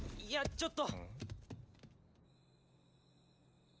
ちょっと！